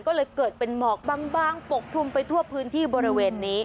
ก็เลยเกิดเป็นหมอกบางปกคลุมไปทั่วพื้นที่บริเวณนี้